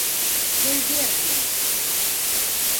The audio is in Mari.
Тойбердин...